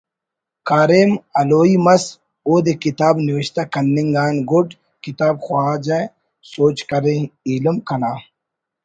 کاریم ہلوئی مس اودے کتاب نوشتہ کننگ آن گڈ کتاب خواجہ سوج کرے ”ایلم کنا